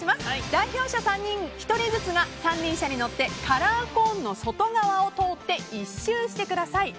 代表者３人１人ずつが三輪車に乗ってカラーコーンの外側を通って１周してください。